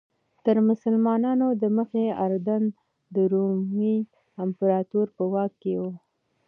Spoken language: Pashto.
تر مسلمانانو دمخه اردن د رومي امپراتورۍ په واک کې و.